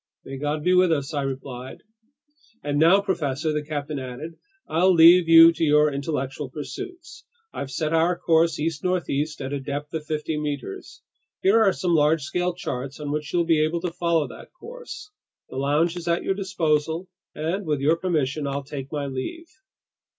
"May God be with us!" I replied. "And now, professor," the captain added, "I'll leave you to your intellectual pursuits. I've set our course east northeast at a depth of fifty meters. Here are some large scale charts on which you'll be able to follow that course. The lounge is at your disposal, and with your permission, I'll take my leave."